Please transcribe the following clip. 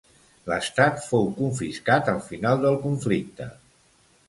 L'estat fou confiscat al final del conflicte.